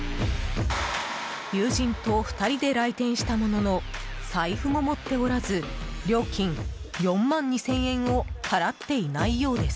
友人と２人で来店したものの財布も持っておらず料金４万２０００円を払っていないようです。